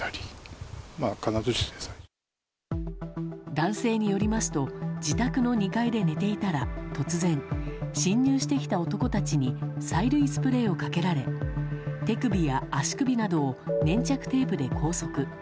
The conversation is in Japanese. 男性によりますと自宅の２階で寝ていたら、突然侵入してきた男たちに催涙スプレーをかけられ手首や足首などを粘着テープで拘束。